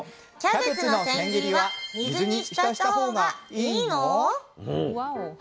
キャベツの千切りは水に浸したほうがイイの？